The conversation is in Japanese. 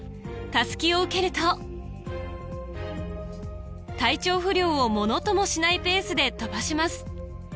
襷を受けると体調不良をものともしないペースで飛ばします